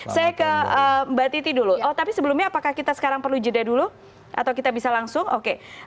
saya ke mbak titi dulu tapi sebelumnya apakah kita sekarang perlu jeda dulu atau kita bisa langsung oke